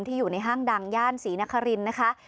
อยู่ในห้างดังย่านศรีนครินนะคะ